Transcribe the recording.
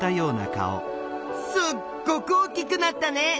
すっごく大きくなったね！